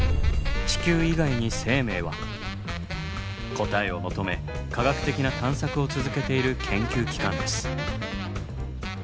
答えを求め科学的な探索を続けている研究機関です。